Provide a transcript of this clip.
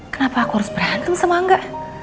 kenapa aku harus berantem sama enggak